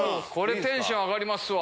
テンション上がりますわ。